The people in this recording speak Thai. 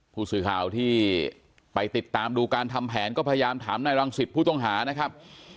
ผู้สื่อข่าวที่ไปติดตามดูการทำแผนก็พยายามถามนายรังสิตผู้ต้องหานะครับ